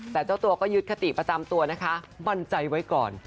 แต่เจ้าตัวก็ยึดคติประจำตัวนะคะมั่นใจไว้ก่อน